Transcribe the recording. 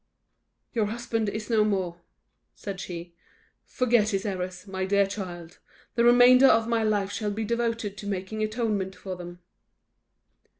"You husband is no more," said she; "forget his errors, my dear child; the remainder of my life shall be devoted to making atonement for them."